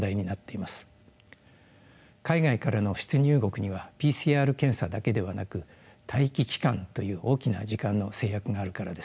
海外からの出入国にはＰＣＲ検査だけではなく待機期間という大きな時間の制約があるからです。